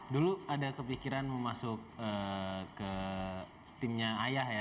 dulu ada kepikiran mau masuk ke timnya ayah ya